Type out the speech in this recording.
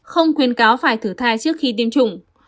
không khuyến cáo phải thử thai trước khi tiêm chủng